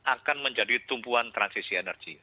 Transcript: akan menjadi tumpuan transisi energi